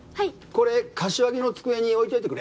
これ柏木の机に置いといてくれ。